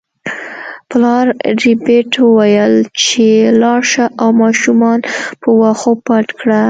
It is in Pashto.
پلار ربیټ وویل چې لاړه شه او ماشومان په واښو پټ کړه